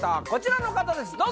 こちらの方です